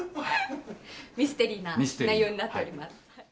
ミステリーな内容になっておりま